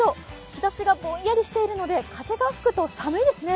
日ざしがぼんやりしているので風が吹くと寒いですね。